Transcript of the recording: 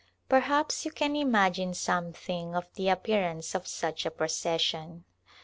Perhaps you can imagine something of the appear ance of such a procession.